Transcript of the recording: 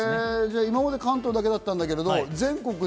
今まで関東だけだったけど全国で。